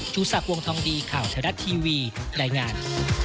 รู้สักวงทองดีข่าวแถวดับทีวีได้งาน